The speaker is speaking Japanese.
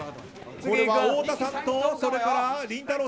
これは太田さんとそれからりんたろー。